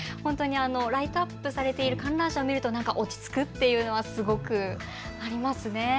ライトアップされている観覧車を見ると落ち着くというのはすごくあります。